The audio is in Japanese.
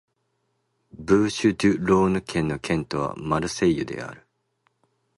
ブーシュ＝デュ＝ローヌ県の県都はマルセイユである